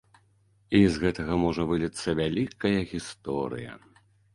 І з гэтага можа выліцца вялікая гісторыя.